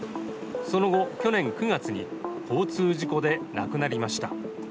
その後、去年９月に交通事故で亡くなりました。